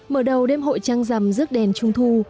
mở đầu đêm hội trăng rằm rước đèn trung thu